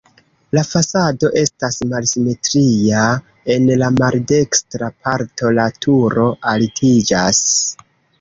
La fasado estas malsimetria, en la maldekstra parto la turo altiĝas.